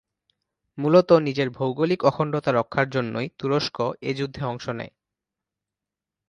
মূলত নিজের ভৌগোলিক অখণ্ডতা রক্ষার জন্যই তুরস্ক এ যুদ্ধে অংশ নেয়।